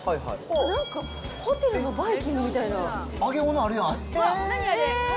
なんかホテルのバイキングみたい揚げ物あるやん。